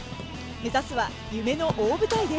目指すは夢の大舞台です。